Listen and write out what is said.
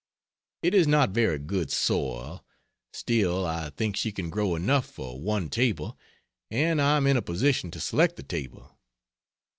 It is not very good soil, still I think she can grow enough for one table and I am in a position to select the table.